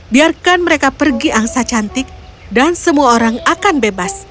biarkan mereka pergi angsa cantik dan semua orang akan bebas